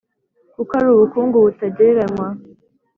kuko ari ubukungu butagereranywa